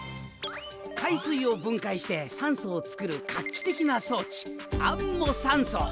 海水を分解して酸素を作る画期的な装置アンモサンソ！